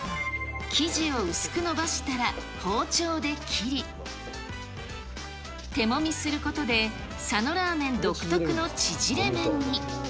生地を薄く延ばしたら、包丁で切り、手もみすることで、佐野らーめん独特のちぢれ麺に。